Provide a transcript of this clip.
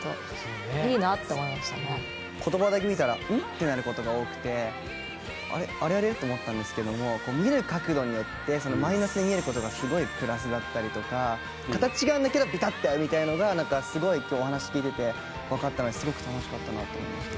言葉だけ見たら「うん？」ってなることが多くて「あれあれあれ？」って思ったんですけども見る角度によって形違うんだけどビタって合うみたいなのがすごい今日お話聞いてて分かったのですごく楽しかったなと思いました。